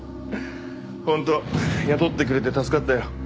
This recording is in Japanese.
本当雇ってくれて助かったよ。